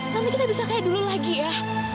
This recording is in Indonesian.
nanti kita bisa kayak dulu lagi ya